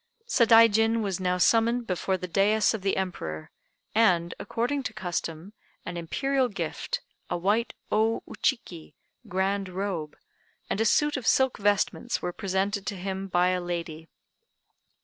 Sadaijin was now summoned before the daïs of the Emperor, and, according to custom, an Imperial gift, a white Ô Uchiki (grand robe), and a suit of silk vestments were presented to him by a lady.